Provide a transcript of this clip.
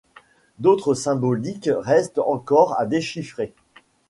D'autres symboliques restent encore à déchiffrer.